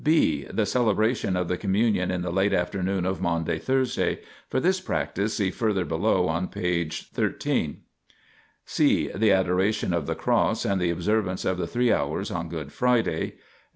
(b] The celebration of the Communion in the late afternoon of Maundy Thursday : for this practice see further below on p. xiii. (c] The adoration of the Cross and the observ ance of the Three Hours on Good Friday.